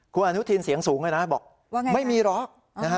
คุณอนุทินเสียงสูงเลยนะบอกไม่มีหรอก